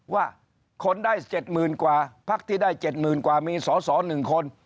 ว่าคนได้เจ็ดหมื่นกว่าพักที่ได้เจ็ดหมื่นกว่ามีสอหนึ่งคน